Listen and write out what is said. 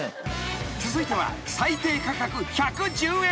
［続いては最低価格１１０円］